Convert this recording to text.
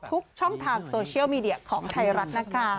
ทุกช่องทางโซเชียลมีเดียของไทยรัฐนะคะ